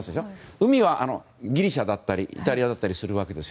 海は、ギリシャだったりイタリアだったりするわけです。